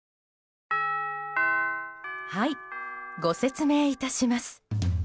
はい、ご説明いたします。